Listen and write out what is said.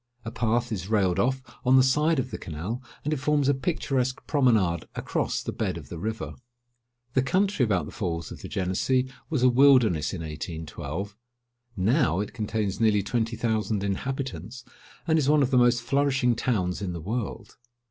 A path is railed off on the side of the canal, and it forms a picturesque promenade across the bed of the river. The country about the Falls of the Genessee was a wilderness in 1812. Now it contains nearly twenty thousand inhabitants, and is one of the most flourishing towns in the world.